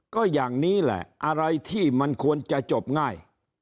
ก็อย่างนี้แหละอะไรที่มันควรจะจบง่าย